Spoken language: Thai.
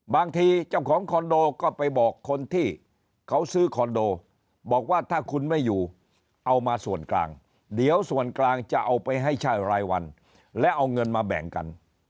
บางทีเจ้าของคอนโดก็ไปบอกคนที่เขาซื้อคอนโดบอกว่าถ้าคุณไม่อยู่เอามาส่วนกลางเดี๋ยวส่วนกลางจะเอาไปให้เช่ารายวันและเอาเงินมาแบ่งกัน